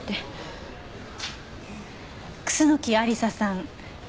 楠木亜理紗さん。